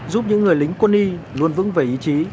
giúp những người lính quân y luôn vững về ý chí